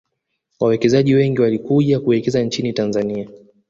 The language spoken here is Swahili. wawekezaji wengi walikuja kuwekeza nchin tanzania